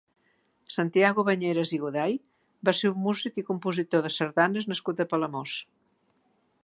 Santiago Bañeras i Goday va ser un músic i compositor de sardanes nascut a Palamós.